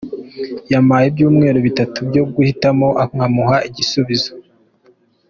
Yampaye ibyumeru bitatu byo guhitamo nkamuha igisubizo.